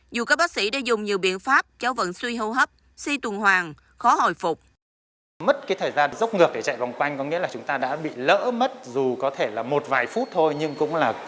dù các bác sĩ đã dùng nhiều biện pháp cháu vẫn suy hô hấp si tuần hoàng khó hồi phục